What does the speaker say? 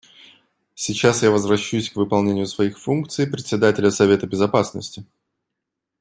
Сейчас я возвращаюсь к выполнению своих функций Председателя Совета Безопасности.